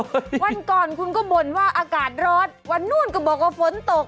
วันก่อนคุณก็บ่นว่าอากาศร้อนวันนู้นก็บอกว่าฝนตก